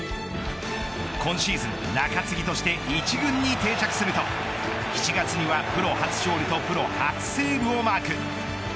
今シーズン、中継ぎとして一軍に定着すると７月にはプロ初勝利とプロ初セーブをマーク。